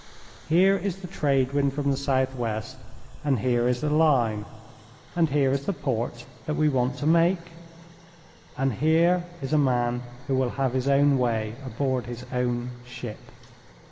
Here is the trade wind from the southwest and here is the line, and here is the port that we want to make, and here is a man who will have his own way aboard his own ship."